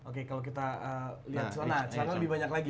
oke kalau kita lihat celana celana lebih banyak lagi